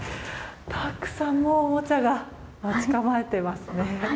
たくさんのおもちゃが待ち構えていますね。